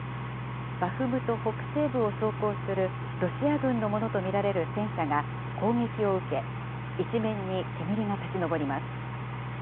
バフムト北西部を走行するロシア軍のものと見られる戦車が攻撃を受け、一面に煙が立ち上ります。